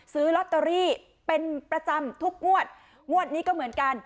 ซื้อลอตเตอรี่เป็นประจำทุกงวดงวดนี้ก็เหมือนกัน